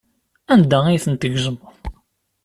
Anda ay ten-tgezmeḍ?